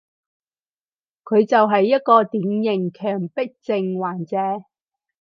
佢就係一個典型強迫症患者